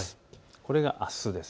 これがあすです。